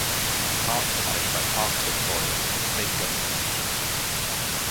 The parks are managed by Parks Victoria, a state government agency.